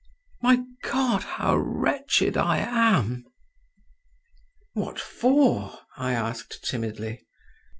My God, how wretched I am!" "What for?" I asked timidly.